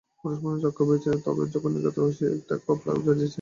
পুরুষ মানুষ তখনই অক্কা পেয়েছে, যখন নির্ঘাত সে একটা ঘাপলা বাজিয়েছে।